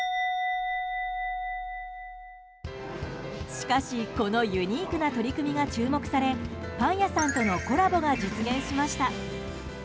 しかし、このユニークな取り組みが注目されパン屋さんとのコラボが実現しました。